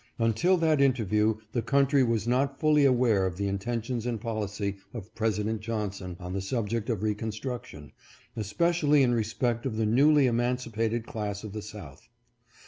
Until that interview the country was not fully aware of the intentions and policy of Presi dent Johnson on the subject of reconstruction, especially in respect of the newly emancipated class of the South.